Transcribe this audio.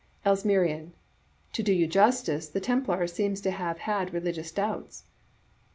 Elsmerian, — "To do you justice, the Templar seems to have had religious doubts.